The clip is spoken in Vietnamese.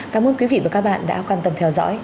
cảm ơn quý vị và các bạn đã quan tâm theo dõi